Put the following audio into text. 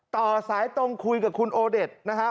ต่อสายตรงคุยกับคุณโอเด็ดนะครับ